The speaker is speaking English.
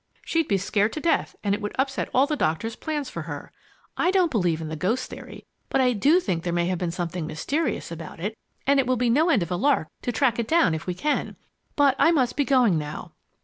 She'd be scared to death and it would upset all the doctor's plans for her. I don't believe in the ghost theory, but I do think there may have been something mysterious about it, and it will be no end of a lark to track it down if we can. But I must be going now."